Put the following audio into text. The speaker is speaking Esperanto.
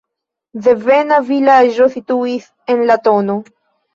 Devena vilaĝo situis en la tn.